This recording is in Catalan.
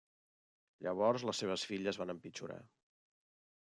Llavors les seves filles van empitjorar.